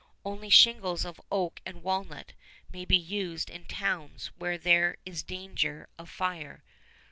"Only shingles of oak and walnut may be used in towns where there is danger of fire."